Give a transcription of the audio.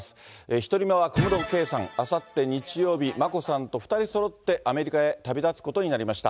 １人目は小室圭さん、あさって日曜日、眞子さんと２人そろって、アメリカへ旅立つことになりました。